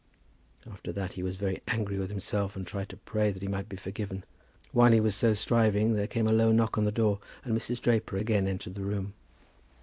After that he was very angry with himself, and tried to pray that he might be forgiven. While he was so striving there came a low knock at the door, and Mrs. Draper again entered the room.